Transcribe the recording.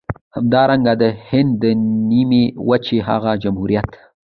همدارنګه د هند د نيمې وچې هغه جمهوريت.